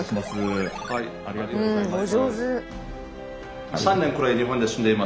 ありがとうございます。